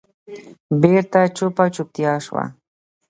بېرته چوپه چوپتیا شوه.